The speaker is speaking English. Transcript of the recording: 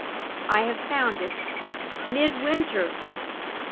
"I have found it! _Midwinter!!!